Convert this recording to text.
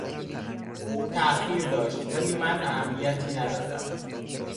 او تاخیر داشت ولی من اهمیتی ندادم.